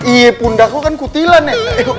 iyee pundak lu kan kutilan ya